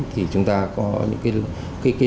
thì chúng ta có những cái đổi của trang này